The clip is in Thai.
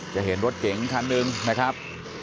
จะเห็นรถเก๋งคันหนึ่งนะครับ